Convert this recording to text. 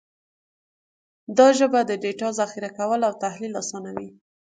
دا ژبه د ډیټا ذخیره کول او تحلیل اسانوي.